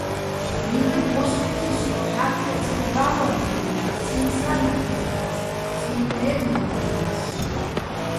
ნი́დაგ ღოსხე́თიჼ სოჼ, ჰ̦ა́თთეჸ წი́ნ გა́ლვაჼ თაგჲინა́ს, წი́ნ სა́ნი ჴუჲწნა́ს, წი́ნ ნე́რგი ჲივნა́ს.